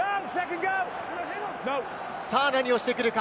何をしてくるか？